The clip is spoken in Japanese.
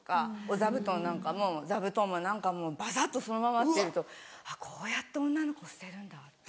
お座布団なんかも座布団も何かバサっとそのままっていうとあっこうやって女の子を捨てるんだわって。